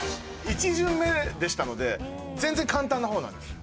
１巡目でしたので全然簡単な方なんですよ。